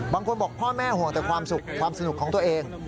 บางคนบอกพ่อแม่ห่วงแต่ความสุขความสนุกของตัวเอง